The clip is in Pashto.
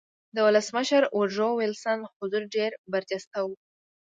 د ولسمشر ووډرو وېلسن حضور ډېر برجسته و